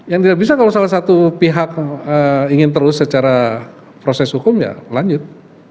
yang tidak bisa kalau salah satu pihak ingin terus secara proses hukum ya lanjut